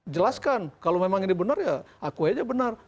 jelaskan kalau memang ini benar ya aku aja benar